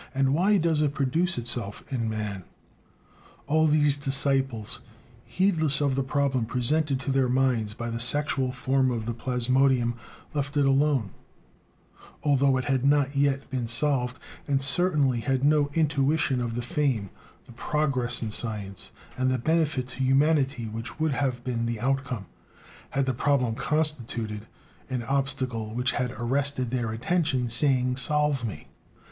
and why does it produce itself in man? All these disciples, heedless of the problem presented to their minds by the sexual form of the plasmodium, left it alone, although it had not yet been solved, and certainly had no intuition of the fame, the progress in science, and the benefit to humanity which would have been the outcome, had the problem constituted an obstacle which had arrested their attention, saying: "Solve me."